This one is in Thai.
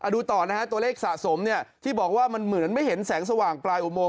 ดูต่อนะฮะตัวเลขสะสมที่บอกว่ามันเหมือนไม่เห็นแสงสว่างปลายอุโมง